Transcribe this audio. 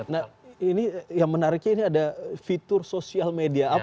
nah ini yang menariknya ini ada fitur sosial media